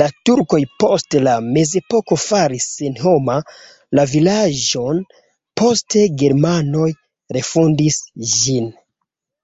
La turkoj post la mezepoko faris senhoma la vilaĝon, poste germanoj refondis ĝin.